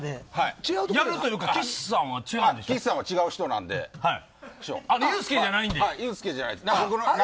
やるというか、岸さんは違う人なんでユースケじゃないです。